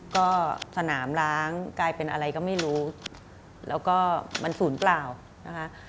ก็สนามล้างกลายเป็นอะไรก็ไม่รู้แล้วก็มันศูนย์เปล่านะคะ